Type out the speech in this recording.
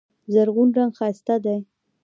زرغون رنګ ښایسته دی.